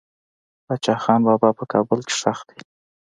باچا خان بابا په کابل کې خښ دي.